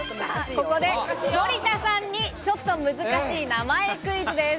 ここで森田さんにちょっと難しい名前クイズです。